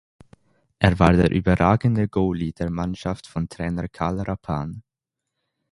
Er war der überragende «Goalie» der Mannschaft von Trainer Karl Rappan.